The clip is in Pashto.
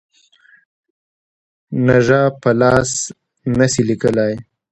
نږه په لوی لاس نه سي لیکلای.